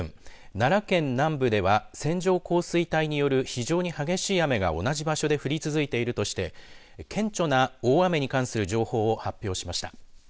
奈良県南部では線状降水帯による非常に激しい雨が同じ場所で降り続いているとして顕著な大雨に関する情報を発表しました。